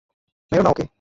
মেরো না ওকে।